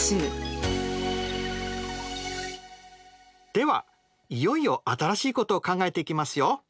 ではいよいよ新しいことを考えていきますよ。